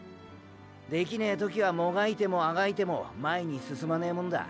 できねェときはもがいてもあがいても前に進まねェもんだ。